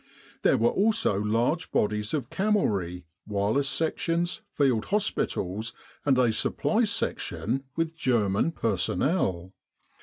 There were also large bodies of camelry, wireless sections, field hospitals, and a supply section with German personnel.